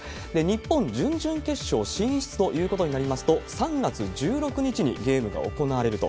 日本、準々決勝進出ということになりますと、３月１６日にゲームが行われると。